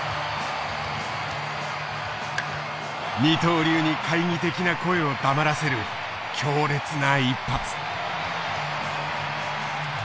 二刀流に懐疑的な声を黙らせる強烈な一発。